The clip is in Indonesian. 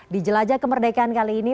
di jelajah kemerdekaan kali ini